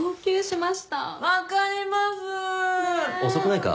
遅くないか？